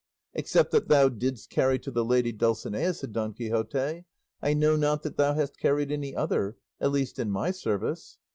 "Except that thou didst carry to the lady Dulcinea," said Don Quixote, "I know not that thou hast carried any other, at least in my service."